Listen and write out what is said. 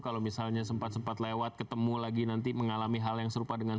kalau misalnya sempat sempat lewat ketemu lagi nanti mengalami hal yang serupa dengan